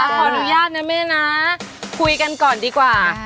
ขออนุญาตนะแม่นะคุยกันก่อนดีกว่า